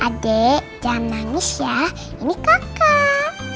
adek jangan nangis ya ini kakak